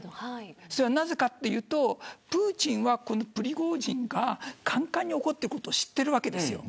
それはなぜかというとプーチンはこのプリゴジンがかんかんに怒っていることを知っているわけです。